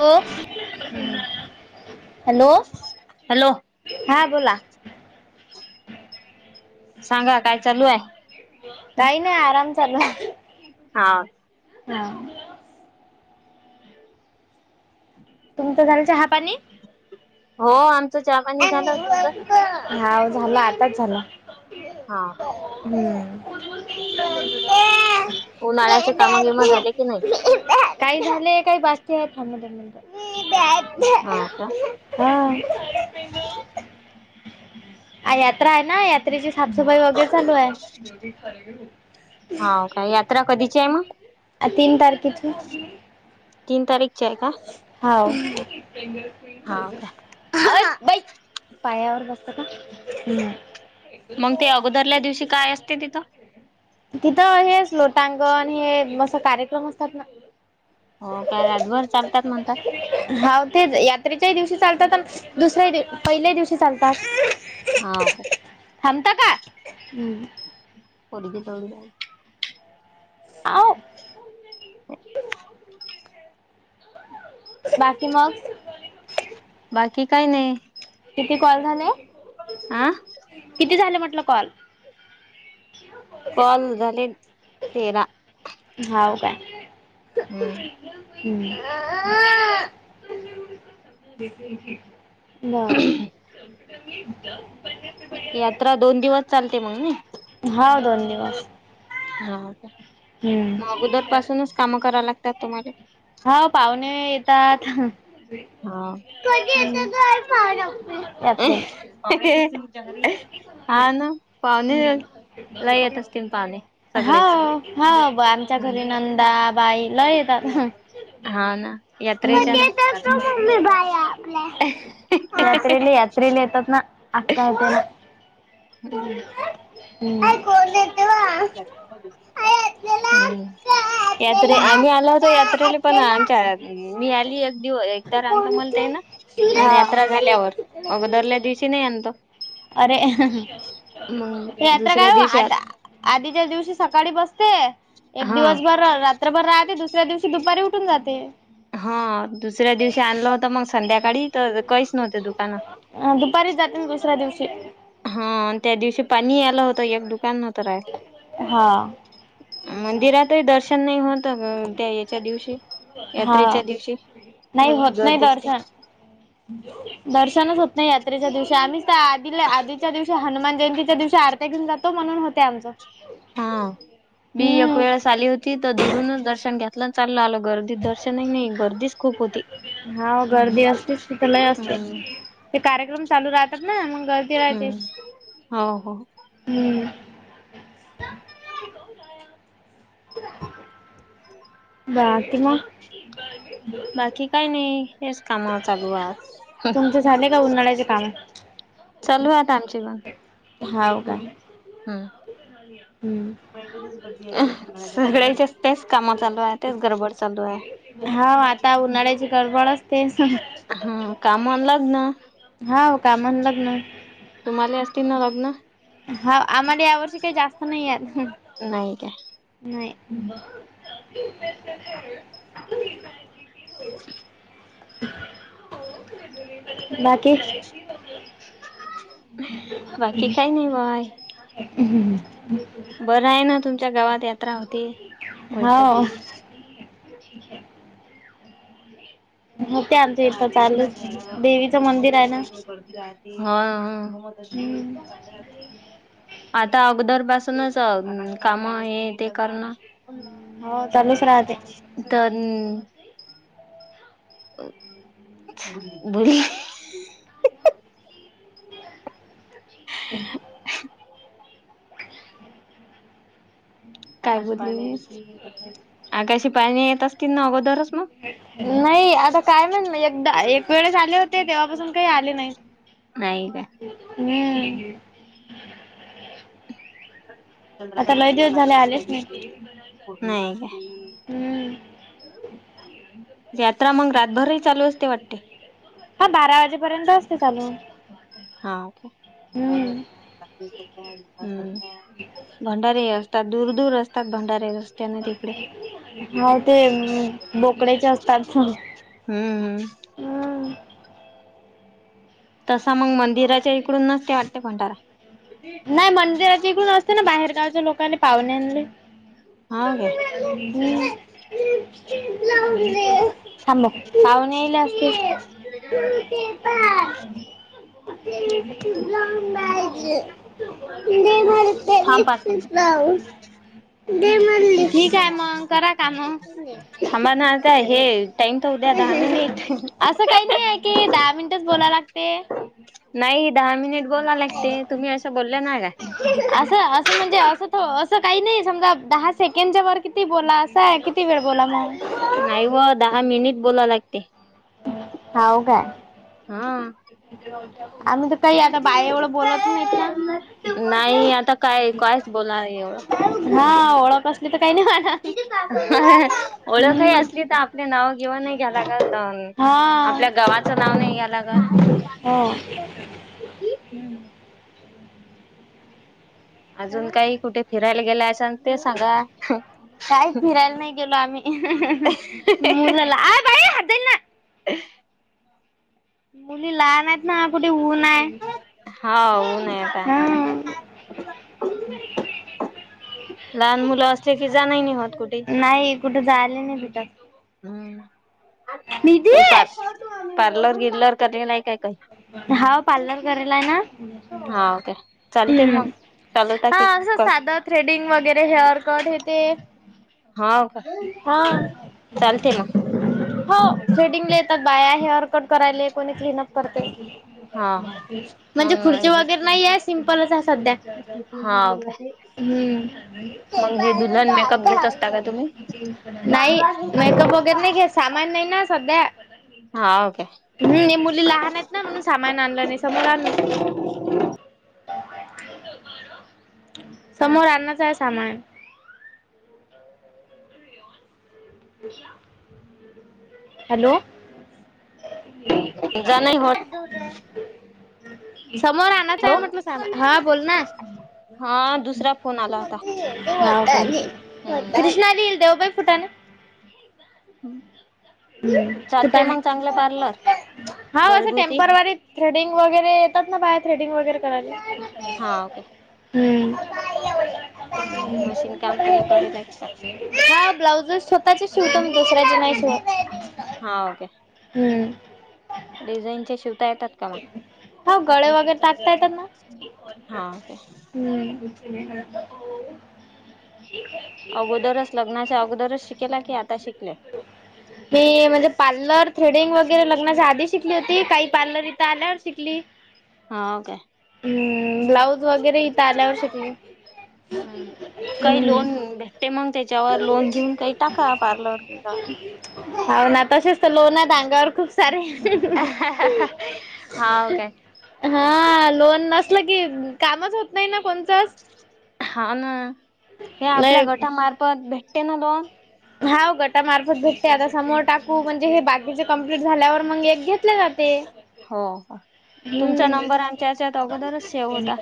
Hello हम्म hello hello हा बोला. सांगा काय चालू हाय काही नाही आराम चालू हाय हा. हा. तुमचं झालं चहा पाणी. हो आमचं चहा पाणी झालं तुमचं. हाव झालं आताच झालं. हा. हम [unintelligible] उन्हाळ्याचे काम बिम झाले की नाही? काही झालं काय बसते थांब ना दोन मिंट [unintelligible] मी बसते हा का [unintelligible] हा आय यात्रा आहे ना यात त्रेची साफसफाई वगैरे चालू आहे. हा काय यात्रा कधीची आहे मग आ तीन तारखेचे. तीन तारीखची आहे का? हाव हा काय हया बैठ पायावर बसतो का मग ते अगोदरल्या दिवशी काय असते तिथं तिथं हेच लोटांगण हे मस्त कार्यक्रम असतात ना. हो काय रातभर चालतात म्हणताय. हाव तेच यात्रेच्या ही दिवशी चालतात अन दुसऱ्या ही पहिल्या दिवशी चालतात. हाव का. थांबता का पोडगी दळून द्या आउ बाकी मग बाकी काय नाही. किती कॉल झाले आ किती झाले म्हटलं कॉल कॉल झाले तेरा हाव काय हम्म अ, ना ती यात्रा दोन दिवस चालते मग मी हा दोन दिवस हाव का मग हम्म. अगोदर पासूनच कामं करावं लागतात तुम्हाले. हो पाहुणे येतात. हा कधी येतील काय पाहुणे मम्मे रात्री तुमच्या घरी हा ना पाहुणे लय येत असतील पाहुणे. हा सगळेच. हा ब आमच्या हम्म घरी नंदा बाई लय येतात हा ना यात्रेच्या कधी ना येतात गं मम्मे बाई आपल्या यात्रेले यात्रेला येतात ना आक्का त्या. हम्म कोण येतो आपल्याला हम्म अक्का यात्रे आपल्याला आम्ही आलो होतो अक्का यात्रेला पण आपल्याला आमच्या मी आली एक दिवस एकदा रांतलं कोणते म्हणते ना आणि हा. यात्रा झाल्यावर अगोदरल्या दिवशी. ती नाही आणतो. अरे मग यात्रा दुसऱ्या काय ओ दिवशी आता. आधीच्या दिवशी सकाळी बसते एक हा. दिवसभर रात त्र भर राहते दुसऱ्या दिवशी दुपारी उठून जाते. हा दुसऱ्या दिवशी आणलं होता मग संध्याकाळी तर काहीच नव्हते दुकानं. अ दुपारीच जाते ना दुसऱ्या दिवशी. हा त्या दिवशी पाणी आलं होतं एक दुकानात. हा मंदिरातही दर्शन नाही होत, त्या याच्या दिवशी हा यात्रेच्या दिवशी. नाही होत नाही दर्शन [unintelligible] दर्शनच होत नाही यात्रेच्या दिवशी, आम्हीच तर आधीला आधीच्या दिवशी हनुमान जयंतीच्या दिवशी आरती घेऊन जातो म्हणून होतय आमचा. हा. मी एक वेळेस आली होती, तर दुरूनच दर्शन घेतलं, चाललं आलो घर [unintelligible] दर्शनही नाही गर्दीच खूप होती. हाव गर्दी असतेच तिथं लय असते. हम्म. ते कार्यक्रम चालू राहतात ना, मंग हम्म, हो, हो. हम्म. [inaudible] बाकी मग? बाकी काही नाही, हेच काम चालू आहे आज. तुमचे झाले का उन्हाळ्याचे काम? चालू आहे आता आमचे पण. हाव काय? हम्म. हम्म. सगळ्याच्या तेच काम चालू आहे, तेच गडबड चालू आहे. हा आता उन्हाळ्याची गळबड असते. हा कामाला लाग ना? हाव कामाला लागणार. तुम्हाला असतील ना लग्न? हा, आम्हाला यावर्षी काही जास्त नाहीयेत. नाही काय? नाही. [inaudible] [inaudible] बाकी? [inaudible] बाकी काही नाही बाय. बरं आहे ना, तुमच्या गावात यात. हो. आमचं इथ चालूच देवीचं मंदिर आहे ना हा, हम्म हा. आता अगोदर पासूनच अ काम हे ते करना. हो चालूच राहते तनं [unintelligible] [inaudible] [inaudible] काय बोले मी? आकाशी पाळणे येत असतील ना, अगोदरच मग? नाही, आता काय म्हण एकदा एक वेळेस आले होते, तेव्हापासून काही आले नाही. नाही कायं? हम्म. आता लय दिवस झाले [unintelligible] आलेच नाही हम्म काय. यात्रा मग रातभरही चालू असते वाटते? हा बारा वाजेपर्यंत असते चालू. हाव काय? हम्म हम्म. भंडारेही असतात. दूर दूर असतात भंडारे रस्ते. हा ते बोकड्याचे असतात. [unintelligible] हं. हम्म तसा मग मंदिराच्या इकडूनच ते वाटते भंडारा. नाही मंदिराचे इकडून असते ना बाहेरगावच्या लोकांना पाहुन्यानले. हाव काय? [inaudible] थांब. पाऊणेईले असते. [unintelligible] थांब पाच मिनिट [unintelligible] ठीक आहे मग करा काम. थांबा ना हा काय हे टाइम त होऊद्या दहा मिनट. असं काही नाही आहे की दहा मिनिटंच बोलायला लागतेयं. नाही दहा मिनिट बोलायला लागतयं. तुम्ही असं बोलल्या नाही का? असं असं म्हणजे असंतो असं काही नाही. समजा दहा सेकंडच्या वर किती बोला असं आहे. किती वेळ बोला मग. नाही व. दहा मिनिट बोलाव लागते. हाव कायं? हं. आम्ही त काही आता बाय एवढं बोलत नाहीत ना. नाही आता काय कायच बोला एवढं. हा ओळख अस ली त काय नाही म्हणत. ओळखही हम्म असली ता आपली नाव घेव नाही घ्या लागत न आपल्या गावाचं नाव नाही घ्या लागत. हं. हं. अजून काही कुठे फिरायला गेल्या असान ते सांगा. [unintelligible] काही फिरायला नाही गेलो आम्ही. मुल ला, आ बाई हात धुईल ना. [unintelligible] मुली लहान आहेत ना. कुठे ऊन हायं. हा ऊन आहे आता. लहान मुलं असले कि जाणही नाही होत कुठे. कुठं जायले नाही भेटतं. हं. काही पार पार्लर गिरलर करेल आहे का काही? हा पार्लर करेल आहे ना. हा काय चालते मग हं. चालवता हा की असं कॉल साधं थ्रेडिंग वगैरे हेअर कट हे ते. हाव का हा. चालते मग हो थ्रेडिंगला येतात बाया. हेअर कट करायले कोणी क्लीनअप करते. हा हो म्हणजे मग खुर्चे हे वगैरे नाहीये. सिम्पलच आहे सध्या. हा काय? हं, मेकअप घेत असता का तुम्ही नाही. मेकअप वगैरे नाही काही, सामान नाही ना सध्या. हाऊ काय? हम्म हे मुली लहान आहेत ना म्हणून सामान आणलं नाही, समोर आणू. समोर आणणंच आहे सामान. [inaudible] हॅलो जा नाही होत समोर आणायचं आहे हॅलो म्हटलं सामान हा बोल ना हा दुसरा फोन आला होता. कृष्णाली येईल देवबाई फुटाने चालते फुटाणे मग चांगलं पार्लर हा असं घरगुती टेम्परवारी थ्रेडिंग वगैरे येतात ना बाया थ्रेडिंग वगैरे करायला हा ओके हम्म हम्म मशीन काम काही करेल एक्स्ट्रा हा ब्लाउज स्वतःचे शिवतो मी दुसऱ्याचे नाही शिवत. हा ओकाे हम्म डिझाईनच्या शिवता येतात? का मग हो गळे वगैरे टाकता येतात ना हा ओके [inaudible] अगोदरच लग्नाच्या अगोदरच शिकले की आता शिकले? मी म्हणजे पार्लर थ्रेडिंग वगैरे लग्नाच्या आधी शिकली होती काही पार्लर इथ आल्यावर शिकली. हाव काय हम्म, ब्लाऊज वगैरे इथं आल्यावर शिकली. हम्म, काही हम्म. लोन भेटते मग त्याच्यावर लोन घेऊन काही टाका पार्लर हो ना तसेच तर लोन आहेत अंगावर खूप सारे हाव काय हा लोन नसल की कामच होत नाही ना कोणतचं हा ना हे आपल्या लय गटामार्फत भेटते ना लोन हाव गटामार्फत भेटते आता समोर टाकू म्हणजे हे बाकीचे कम्प्लीट झाल्यावर मग एक घेतले जाते. हो, तुमचा हम्म नंबर आमच्या याच्यात अगोदरच सेव्ह होता.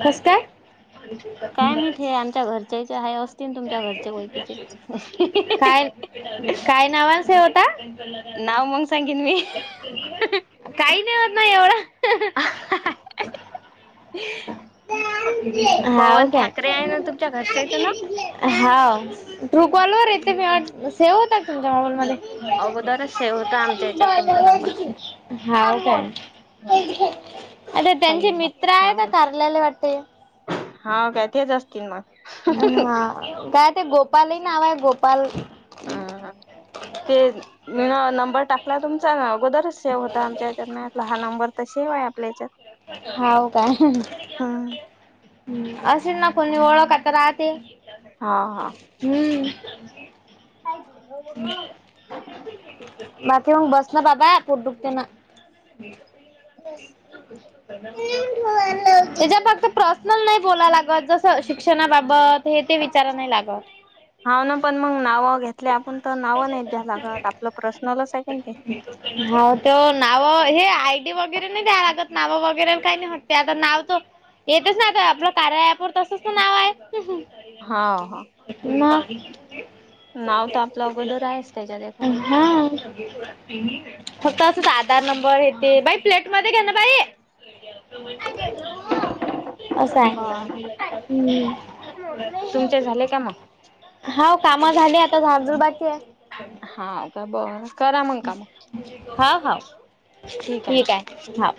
कसकाय? काय माहित हे आमच्या घरच्याचे आहे असतील तुमच्या घरचे काय काय नावाने सेव होता? नाव मग सांगेन मी काही नाही होत ना एवढ [inaudible] हाव पवन काय ठाकरे आहे ना तुमच्या घरच्याचं नाव? हा ट्रू कॉलवर येते, सेव्ह होता तुमच्या मोबाईल मध्ये अगोदरच सेव्ह होता आमच्या ह्याच्यात तुमचा नंबर [inaudible] हाव काय हम्म. आता काही त्यांचे नाही फक्त मित्र आहे का नाव कारल्याला वाटते हा काय तेच असतील मग हा काय ते गोपाली नाव आहे गोपाल अह ते मी ना नंबर टाकला तुमचा ना अगोदर सेव होता आमच्या ह्यच्यात मी म्हटलं हा नंबर तर सेव आहे आपल्या ह्याच्यात हाव काय हम्म असेल ना कोणी ओळख आता राहते. हा हा. हम्म बस ना दादा पोट दुखते ना त्याच्या फक्त पर्सनल नाही बोलाला लागत. शिक्षणाबाबत हे ते विचारा नाही लागत. हा ना पण मग नावं घेतली आपण तर नावं नाही द्या लागत आपलं पर्सनलच आहे क ते. हा ते नावं हे आयडी वगैरे नाही द्याय लागत नावं वगैरे काही नाही वाटते आता नाव तो येतचं ना आता आपलं कार्या अँप तसचं तर नाव आहे. हा हा. ना. नाव तर आपलं अगोदर आहेच त्याच्यात एका अ वरी. हा. फक्त असंच आधार नंबर हे ते बाई प्लेट मध्ये घ्या ना बाई. असं आहे. बर हम्म. तुमचे झाले का मग? हो काम झाली आता झाजुलबाग. हा का बरं करा मग काम. हा.. हा.. ठीक आहे. हा.